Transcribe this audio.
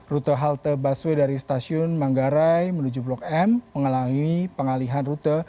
rute halte busway dari stasiun manggarai menuju blok m mengalami pengalihan rute